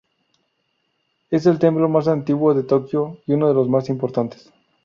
Es el templo más antiguo de Tokio y uno de los más importantes.